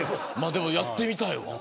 でも、やってみたいわ。